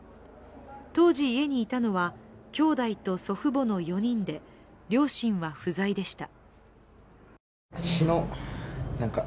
当時、家にいたのはきょうだいと祖父母の４人で、両親は不在でした。